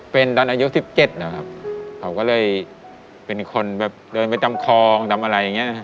เป็นตอนอายุสิบเจ็ดแล้วครับเขาก็เลยเป็นคนแบบเดินไปทำคลองทำอะไรอย่างเงี้ย